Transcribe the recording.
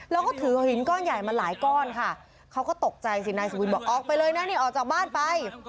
แล้วก็ถือหินก้อนใหญ่มาหลายก้อนค่ะเขาก็ตกใจสินายสุวินบอกออกไปเลยนะนี่ออกจากบ้านไป